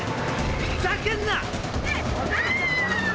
ふざけんな！